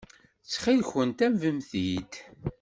Ttxil-kent, afemt-t-id.